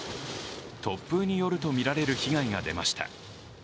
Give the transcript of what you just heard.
突風によるとみられる被害が出ました。